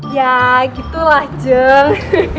ya gitu lah jel